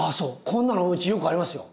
こんなのうちよくありますよ。